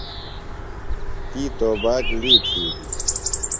تی توباک لی تِھیلیۡ۔